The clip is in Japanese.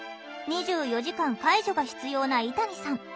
２４時間介助が必要な井谷さん。